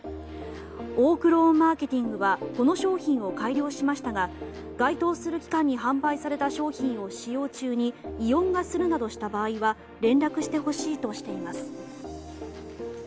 オークローンマーケティングはこの商品を改良しましたが該当する期間に販売された商品を使用中に異音がするなどした場合は連絡してほしいとしています。